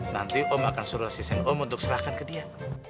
nanti om akan suruh season om untuk serahkan ke dia